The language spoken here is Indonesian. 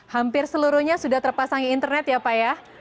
hampir seluruhnya sudah terpasangi internet ya pak ya